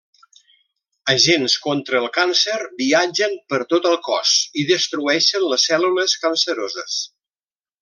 Agents contra el càncer viatgen per tot el cos i destrueixen les cèl·lules canceroses.